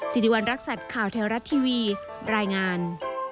สิริวัณรักษัตริย์ข่าวแถวรัฐทีวีรายงาน